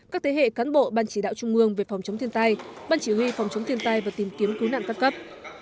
các thế hệ cán bộ ban chỉ đạo trung ương về phòng chống thiên tai ban chỉ huy phòng chống thiên tai và tìm kiếm cứu nạn các cấp